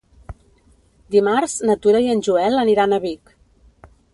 Dimarts na Tura i en Joel aniran a Vic.